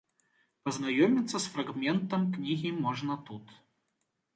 Пазнаёміцца з фрагментам кнігі можна тут.